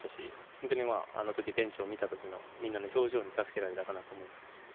本当にあの時ベンチを見た時にみんなの表情に助けられたかなと思います。